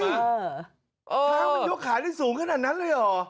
ช้างมันยกขาได้สูงขนาดนั้นเลยเหรอ